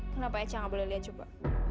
kenapa eca gak boleh lihat coba